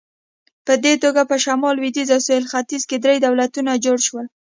په دې توګه په شمال، لوېدیځ او سویل ختیځ کې درې دولتونه جوړ شول.